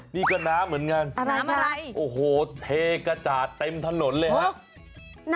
นี่ก็น้ำเหมือนกันน้ำอะไรโอ้โหเทกระจาดเต็มถนนเลยครับ